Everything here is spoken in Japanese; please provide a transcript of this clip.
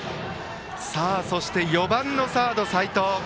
そして４番のサード、齋藤。